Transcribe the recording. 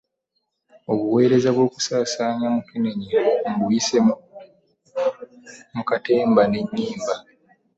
Obuweereza bw'okusaasaanya Mukenenya mbuyisa mu katemba n'ennyimba